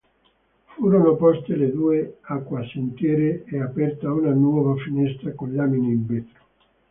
Furono poste le due acquasantiere e aperta una nuova finestra con lamine in vetro.